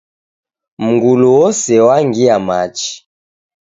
Mngulu wose wangia machi.